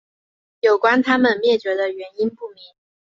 有关它们灭绝的原因不明。